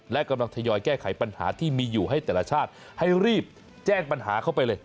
และกำลังทยอยแก้ไขปัญหาที่มีอยู่ให้แต่ละชาติให้รีบแจ้งปัญหาเข้าไปเลย